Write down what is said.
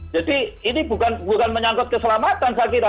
jadi ini bukan menyangkut keselamatan saya kira